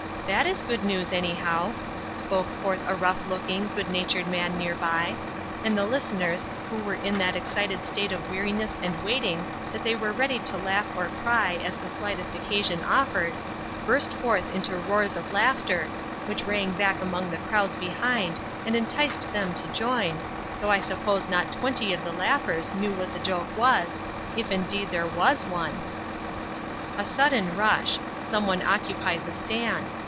"That is good news, anyhow," spoke forth a rough looking, good natured man near by, and the listeners, who were in that excited state of weariness and waiting that they were ready to laugh or cry as the slightest occasion offered, burst forth into roars of laughter, which rang back among the crowds behind and enticed them to join, though I suppose not twenty of the laughers knew what the joke was, if indeed there was one. A sudden rush. Some one occupied the stand.